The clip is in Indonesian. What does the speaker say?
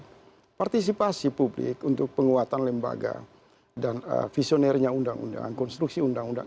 nah partisipasi publik untuk penguatan lembaga dan visionernya undang undang konstruksi undang undang